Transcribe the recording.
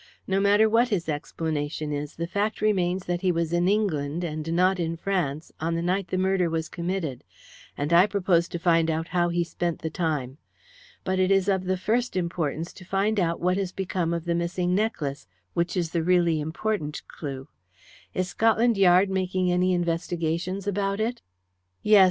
No matter what his explanation is, the fact remains that he was in England, and not in France, on the night the murder was committed, and I propose to find out how he spent the time. But it is of the first importance to find out what has become of the missing necklace, which is the really important clue. Is Scotland Yard making any investigations about it?" "Yes.